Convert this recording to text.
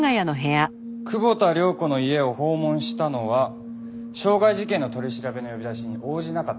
久保田涼子の家を訪問したのは傷害事件の取り調べの呼び出しに応じなかったからですね？